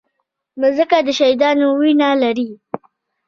مځکه د شهیدانو وینه لري.